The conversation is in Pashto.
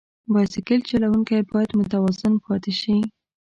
بایسکل چلوونکی باید متوازن پاتې شي.